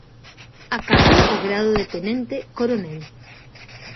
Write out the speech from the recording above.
Acadou o grao de tenente coronel.